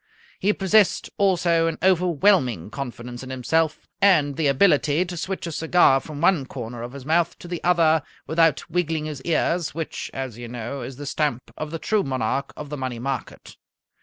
He possessed also an overwhelming confidence in himself, and the ability to switch a cigar from one corner of his mouth to the other without wiggling his ears, which, as you know, is the stamp of the true Monarch of the Money Market.